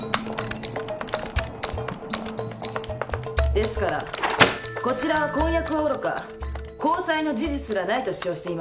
ですからこちらは婚約はおろか交際の事実すらないと主張しています。